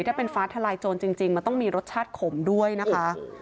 ถ้าเป็นฟ้าทลายโจรจริงมันต้องมีรสชาติขมด้วยนะคะ